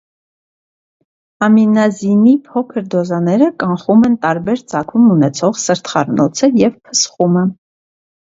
Ամինազինի փոքր դոզաները կանխում են տարբեր ծագում ունեցող սրտխառնոցը և փսխումը։